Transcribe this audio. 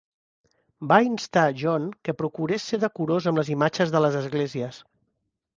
Va instar John que procurés ser decorós amb les imatges de les esglésies.